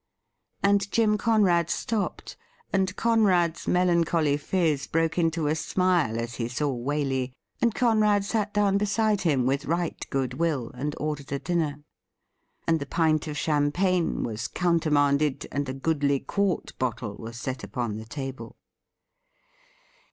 And Jim Conrad stopped, and Conrad's melancholy phiz broke into a smile as he saw Waley, and Conrad sat down beside him with right goodwill, and ordered a dinner. And the pint of champagne was countermanded, and a goodly quart bottle was set upon the table.